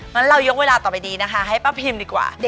งั้นเรายกเวลาต่อไปดีนะคะให้ป้าพิมดีกว่า